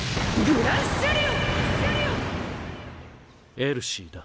エルシーだ。